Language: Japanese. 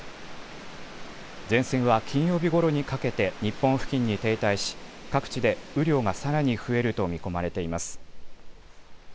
前線は金曜日ごろにかけて日本付近に停滞し、各地で雨量がさらに増えると見込まれています。